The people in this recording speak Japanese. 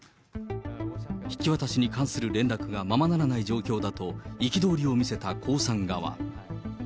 引き渡しに関する連絡がままならない状況だと、憤りを見せた江さん側。